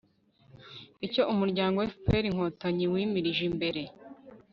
icyo umuryango fpr–inkotanyi wimirije imbere